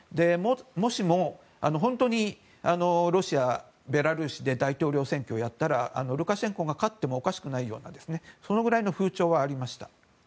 もしも本当にロシア、ベラルーシで大統領選挙をやったらルカシェンコが勝ってもおかしくないようなそのぐらいの風潮はありました。